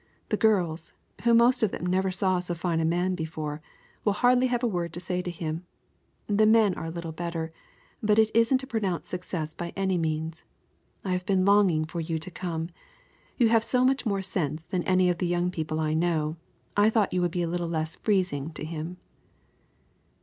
The girls, who most of them never saw so fine a man before, will hardly have a word to say to him; the men are a little better, but it isn't a pronounced success by any means. I have been longing for you to come. You have so much more sense than any of the young people I know, I thought you would be a little less freezing to him."